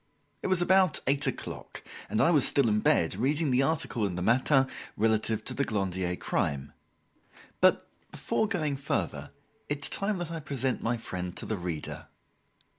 It was about eight o'clock and I was still in bed reading the article in the "Matin" relative to the Glandier crime. But, before going further, it is time that I present my friend to the reader.